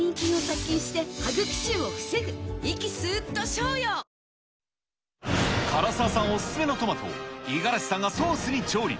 過去最大の補助金も唐沢さんお勧めのトマト、五十嵐さんがソースに調理。